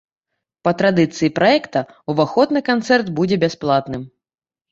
Па традыцыі праекта ўваход на канцэрт будзе бясплатным.